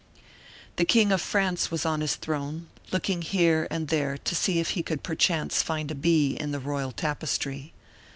The king of France was on his throne, looking here and there to see if he could perchance find a bee in the royal tapestry.